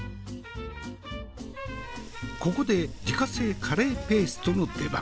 ここで自家製カレーペーストの出番。